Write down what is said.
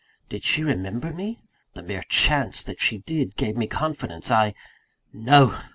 Did she remember me? The mere chance that she did, gave me confidence: I No!